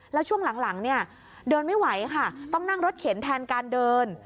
แล้วช่วงหลังเนี่ยเดินไม่ไหวค่ะต้องนั่งรถเข็นแทนการเดิน